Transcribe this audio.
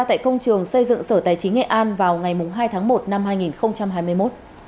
tại công trường xây dựng sở tài chính nghệ an vào ngày hai tháng một năm hai nghìn hai mươi một